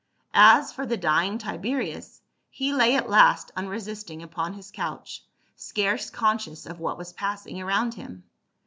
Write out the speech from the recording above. As for the dying Tiberius, he lay at last unresisting upon his couch, scarce conscious of what was passing around him.